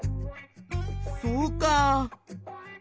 そうか。